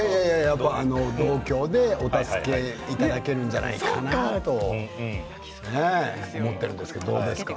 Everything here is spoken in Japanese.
同郷でお助けいただけるんじゃないかなと思っているんですけどどうですか。